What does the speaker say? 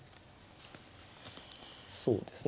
そうですね。